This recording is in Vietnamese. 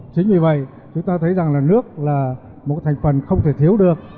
chính vì vậy chúng ta thấy rằng là nước là một thành phần không thể thiếu được